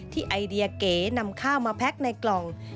ไอเดียเก๋นำข้าวมาแพ็คในกล่อง